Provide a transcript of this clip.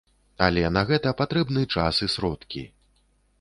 Але на гэта патрэбны час і сродкі.